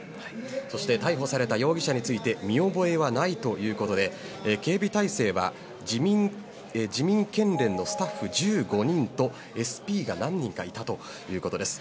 そして逮捕された容疑者について見覚えはないということで警備態勢は自民県連のスタッフ１５人とＳＰが何人かいたということです。